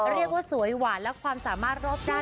เรียกว่าสวยหวานและความสามารถรอบด้าน